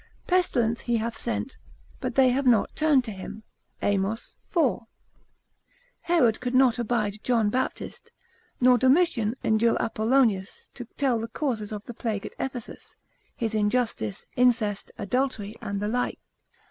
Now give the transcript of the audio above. Pestilence he hath sent, but they have not turned to him, Amos iv. Herod could not abide John Baptist, nor Domitian endure Apollonius to tell the causes of the plague at Ephesus, his injustice, incest, adultery, and the like.